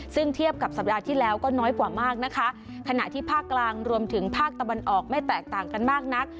ซึ่งเทียบกับสัปดาห์ที่แล้วก็น้อยกว่ามากนะคะขณะที่ภาคกลางรวมถึงภาคตะวันออกไม่แตกต่างกันมากนัก